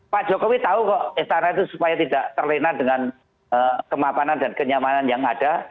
pak jokowi tahu kok istana itu supaya tidak terlena dengan kemapanan dan kenyamanan yang ada